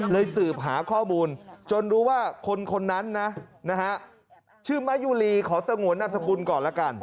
สืบหาข้อมูลจนรู้ว่าคนคนนั้นนะชื่อมะยุรีขอสงวนนามสกุลก่อนละกัน